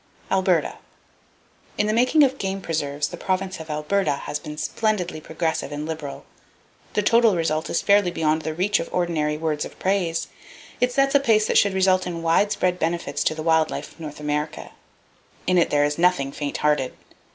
Alberta. —In the making of game preserves the province of Alberta has been splendidly progressive and liberal. The total result is fairly beyond the reach of ordinary words of praise. It sets a pace that should result in wide spread benefits to the wild life of North America. In it there is nothing faint hearted.